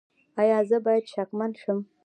ایا زه باید شکمن شم؟